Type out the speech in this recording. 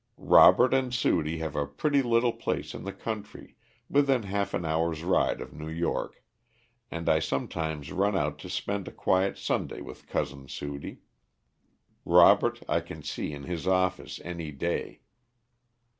Robert and Sudie have a pretty little place in the country, within half an hour's ride of New York, and I sometimes run out to spend a quiet Sunday with Cousin Sudie. Robert I can see in his office any day.